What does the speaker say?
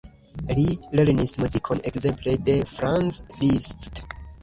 Li lernis muzikon ekzemple de Franz Liszt.